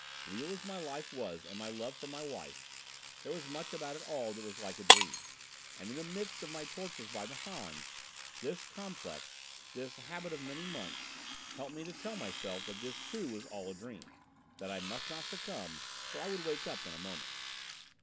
Real as my life was, and my love for my wife, there was much about it all that was like a dream, and in the midst of my tortures by the Hans, this complex this habit of many months helped me to tell myself that this, too, was all a dream, that I must not succumb, for I would wake up in a moment.